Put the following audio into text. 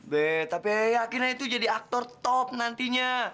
be tapi yakin aja itu jadi aktor top nantinya